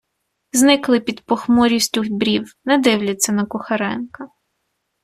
Зникли під похмурістю брів, не дивляться на Кухаренка.